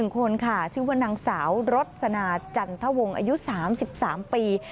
๑คนค่ะชื่อว่านางสาวรสนาจันทวงอายุ๓๓ปี